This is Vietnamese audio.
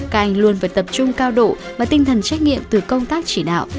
các anh luôn phải tập trung cao độ và tinh thần trách nhiệm từ công tác chỉ đạo